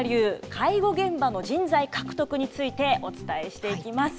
介護現場の人材獲得についてお伝えしていきます。